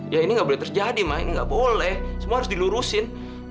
ya ini gak boleh terjadi ma ini gak boleh semua harus dilurusin